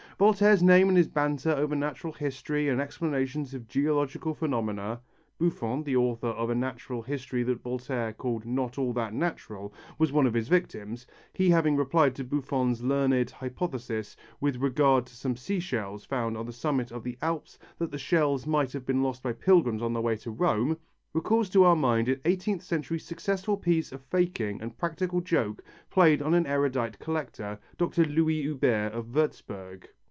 Voltaire's name and his banter over natural history and explanations of geological phenomena Buffon, the author of a Natural History that Voltaire called "not at all natural," was one of his victims, he having replied to Buffon's learned hypothesis with regard to some sea shells found on the summit of the Alps that the shells might have been lost by pilgrims on their way to Rome recalls to our mind an eighteenth century successful piece of faking and practical joke played on an erudite collector, Dr. Louis Huber of Würtzburg.